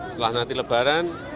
setelah nanti lebaran